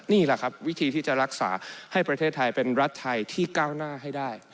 นี่แหละครับวิธีที่จะรักษาให้ประเทศไทยเป็นรัฐไทยที่ก้าวหน้าให้ได้